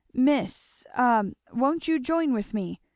Miss a won't you join with me?